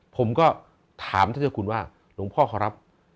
ผมก็ถามท่านเจ้าคุณว่าหลวงพ่อเขารับ